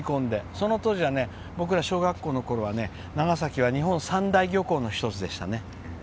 その当時、僕ら小学校の時は長崎は日本三大漁港の１つでしたね。